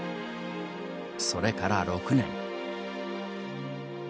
それから６年。